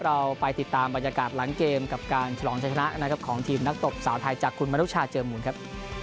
เราไปติดตามบรรยากาศหลังเกมกับการฉลองชัยชนะนะครับของทีมนักตบสาวไทยจากคุณมนุชาเจอมูลครับ